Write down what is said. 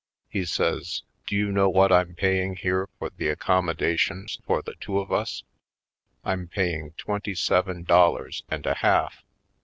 He says : "Do you know what I'm paying here for the accommodations for the two of us? I'm paying twenty seven dollars and a half."